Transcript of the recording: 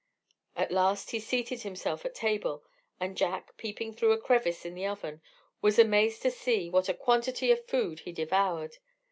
At last he seated himself at table, and Jack, peeping through a crevice in the oven, was amazed to see what a quantity of food he devoured.